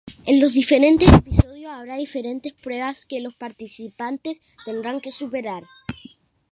En los diferentes episodios habrá diferentes pruebas que los participantes tendrán que superar.